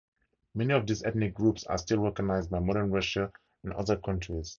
Many of these ethnic groups are still recognized by modern Russia and other countries.